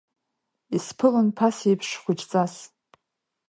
Исԥылон, ԥасеиԥш, хәыҷҵас.